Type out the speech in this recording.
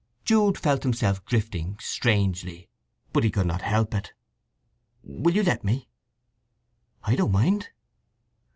Jude felt himself drifting strangely, but could not help it. "Will you let me?" "I don't mind."